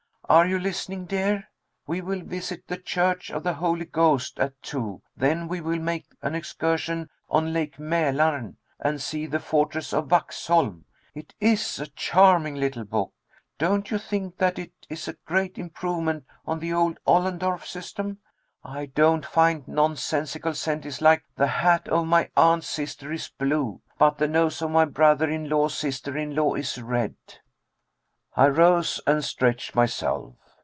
Are you listening, dear? 'We will visit the Church of the Holy Ghost, at two, then we will make an excursion on Lake Mälan and see the fortress of Vaxholm.' It is a charming little book. Don't you think that it is a great improvement on the old Ollendorff system? I don't find nonsensical sentences like 'The hat of my aunt's sister is blue, but the nose of my brother in law's sister in law is red.'" I rose and stretched myself.